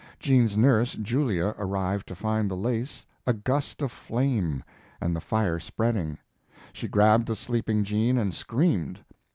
Jean's nurse, Julia, arrived to find the lace a gust of flame and the fire spreading. She grabbed the sleeping Jean and screamed.